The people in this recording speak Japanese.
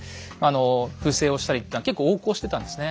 不正をしたりっていうのは結構横行してたんですね。